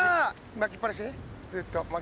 巻きっぱなし。